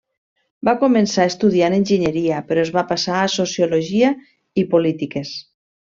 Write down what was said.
Va començar estudiant enginyeria però es va passar a sociologia i polítiques.